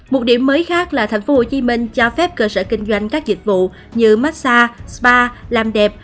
một điểm mới khác là tp hcm cho phép cơ sở kinh doanh các dịch vụ như massage spa làm đẹp